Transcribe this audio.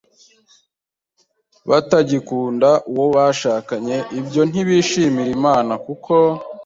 batagikunda uwo bashakanye Ibyo ntibishimisha Imana kuko